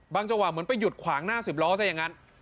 จังหวะเหมือนไปหยุดขวางหน้า๑๐ล้อซะอย่างนั้น